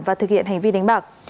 và thực hiện hành vi đánh bạc